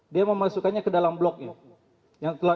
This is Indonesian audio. dia memasukkannya ke dalam bloknya